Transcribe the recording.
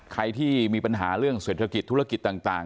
ใครที่มีปัญหาเรื่องเศรษฐกิจธุรกิจต่าง